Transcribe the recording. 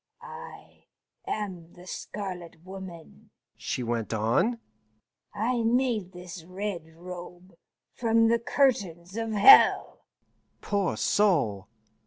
I am the Scarlet Woman," she went on; "I made this red robe from the curtains of Hell " Poor soul!